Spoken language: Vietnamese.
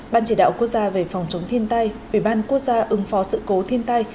ban chỉ đạo quốc gia về phòng chống thiên tai ủy ban quốc gia ứng phó sự cố thiên tai